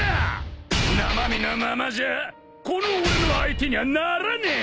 生身のままじゃこの俺の相手にゃならねえぞ！？